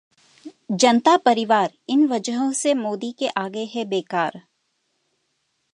जनता परिवार, इन वजहों से मोदी के आगे है बेकार!